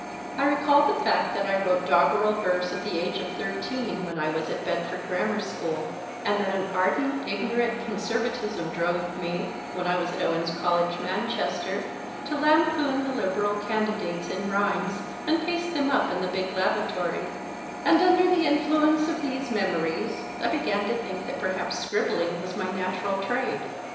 I recalled the fact that I wrote doggerel verse at the age of thirteen when I was at Bedford Grammar School, and that an ar dent, ignorant Conservatism drove me, when I was at Owens 1 84 MY FIRST BOOK College, Manchester, to lampoon the Liberal candidates in rhymes, and paste them up in the big lavatory ; and under the influence of these memories I began to think that perhaps scribbling was my natural trade.